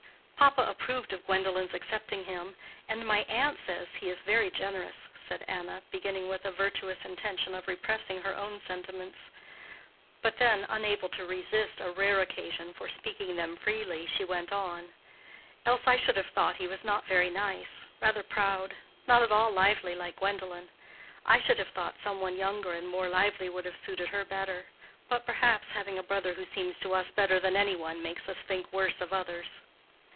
"Papa approved of Gwendolen's accepting him, and my aunt says he is very generous," said Anna, beginning with a virtuous intention of repressing her own sentiments; but then, unable to resist a rare occasion for speaking them freely, she went on—"else I should have thought he was not very nice—rather proud, and not at all lively, like Gwendolen. I should have thought some one younger and more lively would have suited her better. But, perhaps, having a brother who seems to us better than any one makes us think worse of others."